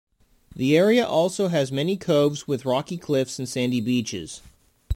The area also has many coves with rocky cliffs and sandy beaches.